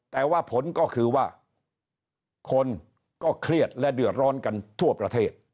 แต่ว่าผลก็คือว่าคนก็เครียดและเดือดร้อนกันทั่วประเทศ